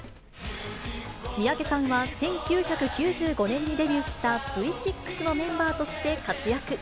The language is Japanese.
三宅さんは１９９５年にデビューした、Ｖ６のメンバーとして活躍。